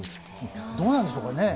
どうなんでしょうかね。